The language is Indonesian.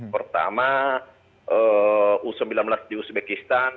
pertama u sembilan belas di uzbekistan